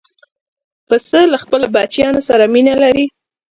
پسه له خپلو بچیانو سره مینه لري.